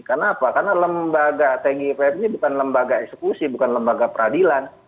kenapa karena lembaga tgipf ini bukan lembaga eksekusi bukan lembaga peradilan